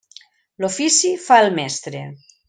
L'ofici fa el mestre.